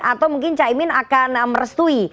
atau mungkin caimin akan merestui